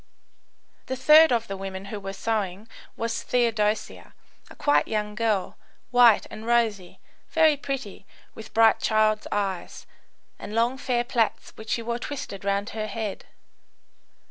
The third of the women who were sewing was Theodosia, a quiet young girl, white and rosy, very pretty, with bright child's eyes, and long fair plaits which she wore twisted round her head.